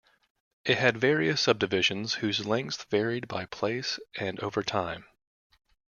It had various subdivisions whose lengths varied by place and over time.